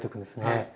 はい。